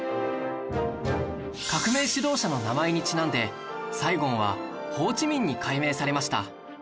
革命指導者の名前にちなんでサイゴンはホーチミンに改名されました